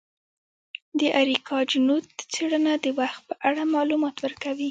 د اریکا چنووت څیړنه د وخت په اړه معلومات ورکوي.